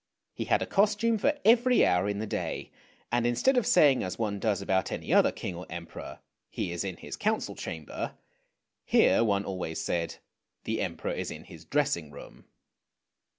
He had a costume for every hour in the day, and instead of saying as one does about any other King or Emperor, " He is in his council chamber," here one always said, " The Emperor is in his dressing room."